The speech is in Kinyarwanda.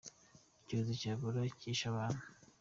Icyorezo cya Ebola kishe abantu